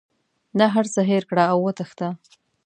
د هر څه هېر کړه او وتښته.